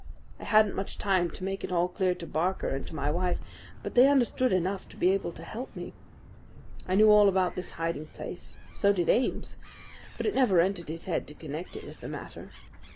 I hadn't much time to make it all clear to Barker and to my wife; but they understood enough to be able to help me. I knew all about this hiding place, so did Ames; but it never entered his head to connect it with the matter.